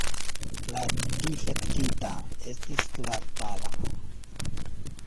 La difektita estis kvartala.